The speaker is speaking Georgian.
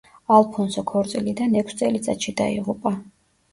ალფონსო ქორწილიდან ექვს წელიწადში დაიღუპა.